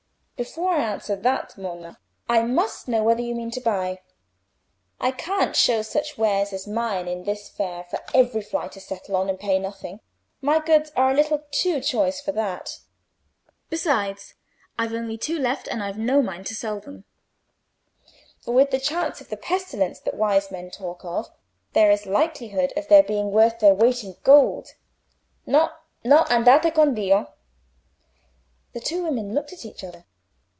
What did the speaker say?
"Before I answer that, Monna, I must know whether you mean to buy. I can't show such wares as mine in this fair for every fly to settle on and pay nothing. My goods are a little too choice for that. Besides, I've only two left, and I've no mind to soil them; for with the chances of the pestilence that wise men talk of, there is likelihood of their being worth their weight in gold. No, no: andate con Dio." The two women looked at each other.